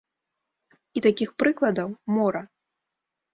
І такіх прыкладаў мора.